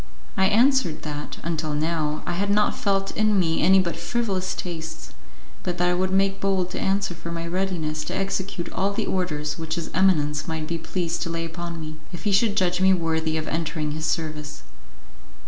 I answered that, until now, I had not felt in me any but frivolous tastes, but that I would make bold to answer for my readiness to execute all the orders which his eminence might be pleased to lay upon me, if he should judge me worthy of entering his service.